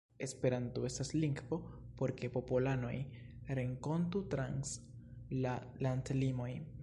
Esperanto estas lingvo por ke popolanoj renkontu trans la landlimoj.